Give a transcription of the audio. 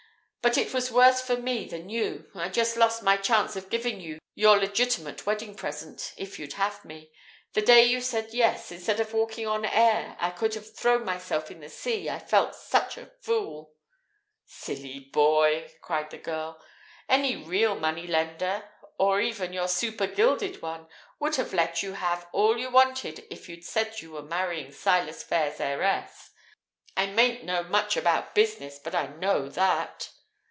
"But it was worse for me than you. I'd just lost my chance of giving you your legitimate wedding present if you'd have me. The day you said 'Yes', instead of walking on air I could have thrown myself in the sea, I felt such a fool." "Silly boy!" cried the girl. "Any real money lender, or even your super, gilded one, would have let you have all you wanted if you'd said you were marrying Silas Phayre's heiress. I mayn't know much about business, but I know that!"